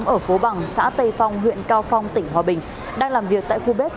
ở phố bằng xã tây phong huyện cao phong tỉnh hòa bình đang làm việc tại khu bếp